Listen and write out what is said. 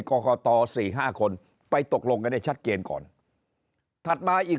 ก็ก็ต่อ๔๕คนไปตกลงกันได้ชัดเกณฑ์ก่อนถัดมาอีก